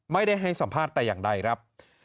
ให้สัมภาษณ์แต่อย่างใดครับ